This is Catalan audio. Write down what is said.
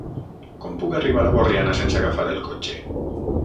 Com puc arribar a Borriana sense agafar el cotxe?